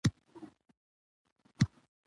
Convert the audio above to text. ادبیات د ژوند کولو چل را زده کوي.